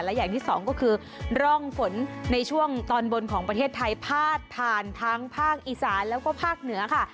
และอย่างที่สองก็คือร่องฝนในช่วงตอนบนของประเทศไทยพาดผ่านทั้งภาคอีสานแล้วก็ภาคเหนือค่ะ